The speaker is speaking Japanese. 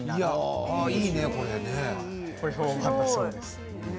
いいね、これね。